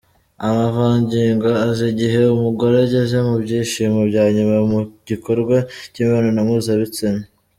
Amavangingo aza igihe umugore ageze ku byishimo bya nyuma mu gikorwa cy’imibonano mpuzabitsina.